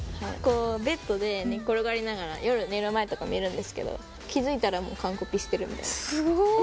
ベッドで寝っ転がりながら、夜、寝る前とか見るんですけど、気付いたらもう完コピしてるみたいな。